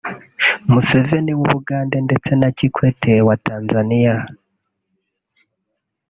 Museveni w’Ubugande ndetse na Kikwete wa Tanzaniya